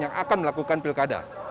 yang akan melakukan pilkada